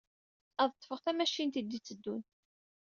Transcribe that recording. Ad ṭṭfeɣ tamacint i d-itteddun.